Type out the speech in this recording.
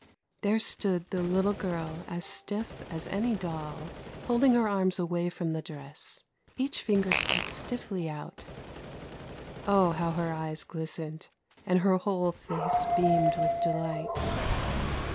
There stood the little girl as stiff as any doll, holding her arms away from the dress, each finger stuck stiffly out! Oh! how her eyes glistened, and her whole face beamed with delight.